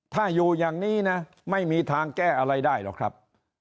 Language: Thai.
ถ้าอยู่อย่างนี้นะไม่มีทางแก้อะไรได้หรอกครับ